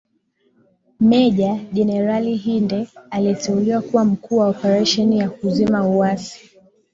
Meja Jenerali Hinde aliteuliwa kuwa mkuu wa oparesheni ya kuzima uasi